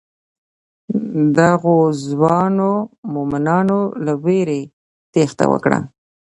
دغو ځوانو مومنانو له وېرې تېښته وکړه.